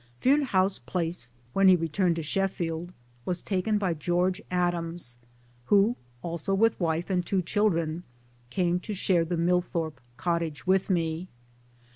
Fearnehough's place, when he returned to Sheffield, was taken by George Adams, who (also with wife and two children) came to share the Millthorpe Cottage with me.